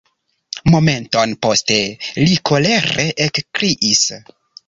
Momenton poste li kolere ekkriis: